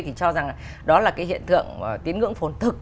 thì cho rằng đó là cái hiện tượng tiến ngưỡng phổn thực